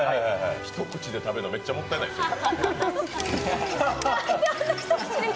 一口で食べるの、めっちゃもったいないね。